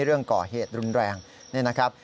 เรื่องก่อเหตุรุนแรงนี่นะครับ